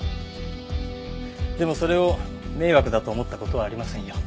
でもそれを迷惑だと思った事はありませんよ。